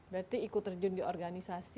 berarti ikut terjun di organisasi